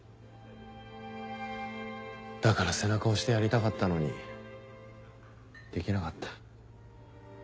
だから背中押してやりたかったのにできなかった。